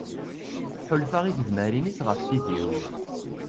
Ḥulfaɣ i tedmarin-is ɣef tid-iw.